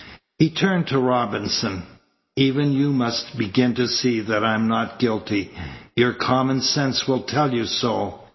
He turned to Robinson. "Even you must begin to see that I'm not guilty. Your common sense will tell you so.